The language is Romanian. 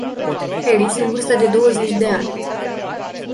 Haris, în vârstă de douăzeci ani.